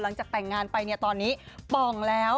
หลังจากแต่งงานไปเนี่ยตอนนี้ป่องแล้ว